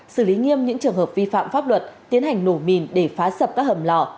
xử lý nghiêm những trường hợp vi phạm pháp luật tiến hành nổ mìn để phá sập các hầm lò